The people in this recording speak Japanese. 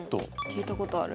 聞いたことある。